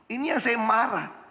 ini yang saya marah